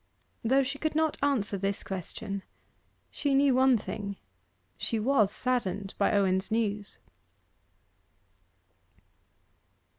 Though she could not answer this question, she knew one thing, she was saddened by Owen's news.